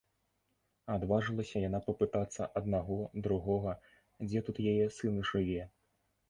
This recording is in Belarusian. Адважылася яна папытацца аднаго, другога, дзе тут яе сын жыве?